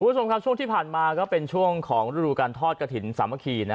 ผู้ชมครับที่ผ่านมาเป็นช่วงฤดูการทอดกะถิ่นสามะคี